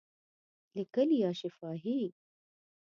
لیکلي یا شفاهی؟